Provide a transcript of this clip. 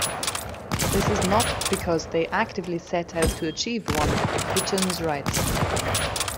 This is not because they actively set out to achieve one, Hitchens writes.